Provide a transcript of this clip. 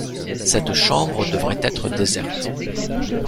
Cette chambre devait être déserte.